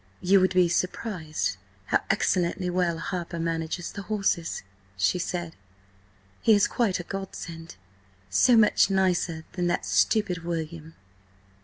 "You would be surprised how excellently well Harper manages the horses," she said. "He is quite a godsend. So much nicer than that stupid William."